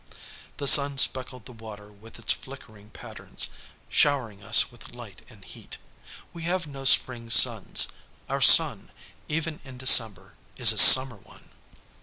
The sun speckled the water with its flickering patterns, showering us with light and heat. We have no spring suns; our sun, even in December, is a summer one.